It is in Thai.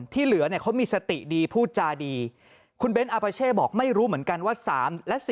ที่เหลือเขามีสติดีพูดจาดีคุณเบนท์อาปาเช่บอกไม่รู้เหมือนกันว่า